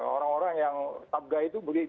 orang orang yang top guy itu boleh diberikan